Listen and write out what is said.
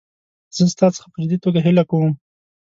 زه ستا څخه په جدي توګه هیله کوم.